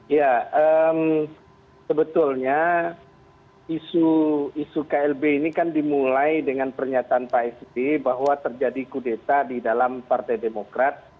ya sebetulnya isu klb ini kan dimulai dengan pernyataan pak sby bahwa terjadi kudeta di dalam partai demokrat